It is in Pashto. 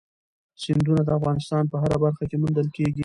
سیندونه د افغانستان په هره برخه کې موندل کېږي.